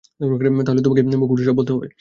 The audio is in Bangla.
তাহলে, তোমাকেই মুখ ফুটে সব বলতে হবে!